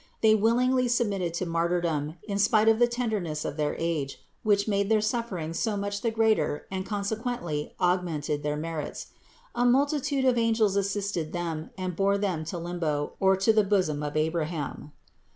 They willingly submitted to martyrdom, in spite of the tender ness of their age, which made their sufferings so much the greater and consequently augmented their merits. A multitude of angels assisted them and bore them to limbo or to the bosom of Abraham.